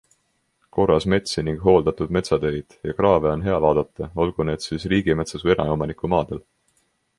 Korras metsi ning hooldatud metsateid ja kraave on hea vaadata, olgu need siis riigimetsas või eraomaniku maadel.